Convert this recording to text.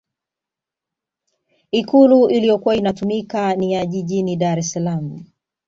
ikulu iliyokuwa inatumika ni ya jijini dar es salaam